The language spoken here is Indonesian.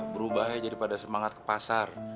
berubah aja daripada semangat ke pasar